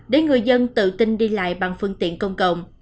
để người dân tự tin đi lại bằng phương tiện công cộng